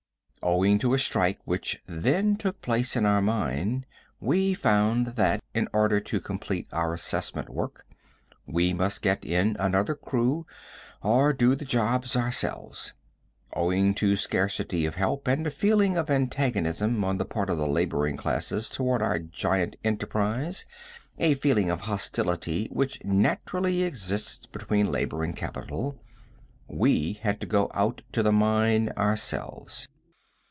Owing to a strike which then took place in our mine, we found that, in order to complete our assessment work, we must get in another crew or do the job ourselves. Owing to scarcity of help and a feeling of antagonism on the part of the laboring classes toward our giant enterprise, a feeling of hostility which naturally exists between labor and capital, we had to go out to the mine ourselves.